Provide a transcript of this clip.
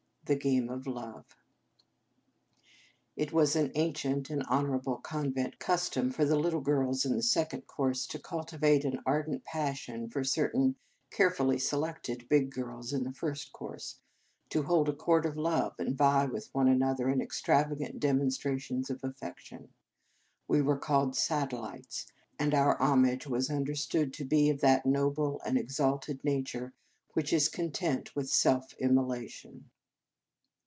The Game of Love IT was an ancient and honourable convent custom for the little girls in the Second Cours to cultivate an ardent passion for certain carefully selected big girls in the First Cours, to hold a court of love, and vie with one another in extravagant demon strations of affection. We were called " satellites," and our homage was un derstood to be of that noble and ex alted nature which is content with self immolation.